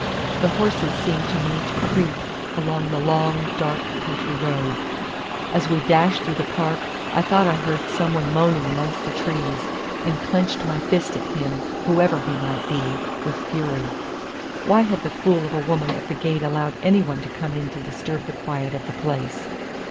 The horses seemed to me to creep along the long dark country road. As we dashed through the park, I thought I heard some one moaning among the trees, and clenched my fist at him (whoever he might be) with fury. Why had the fool of a woman at the gate allowed any one to come in to disturb the quiet of the place?